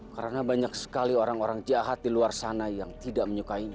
karena banyak sekali orang orang jahat di luar sana yang tidak menyukainya